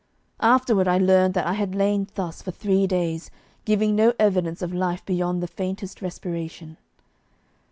Afterward I learned that I had lain thus for three days, giving no evidence of life beyond the faintest respiration.